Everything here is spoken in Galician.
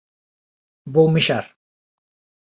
Vou mexar